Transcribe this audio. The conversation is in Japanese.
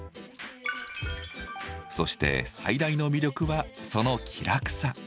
そして最大の魅力はその気楽さ。